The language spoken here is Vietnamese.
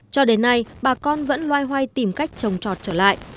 cho đến nay bà con vẫn loay hoay tìm cách trồng trọt trở lại